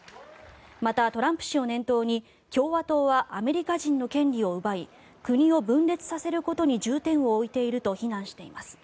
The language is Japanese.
また、トランプ氏を念頭に共和党はアメリカ人の権利を奪い国を分裂させることに重点を置いていると非難しています。